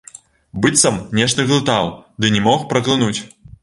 Быццам нешта глытаў ды не мог праглынуць.